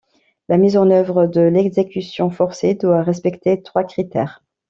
La mise en œuvre de l'exécution forcée doit respecter trois critères.